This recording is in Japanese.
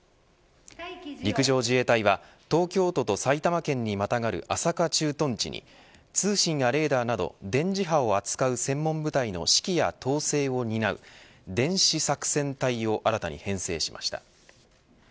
陸上自衛隊は東京都と埼玉県に跨る朝霞駐屯地に通信やレーダーなど電磁波を扱う専門部隊の指揮や統制を担う電子作戦隊を新たに編成しました。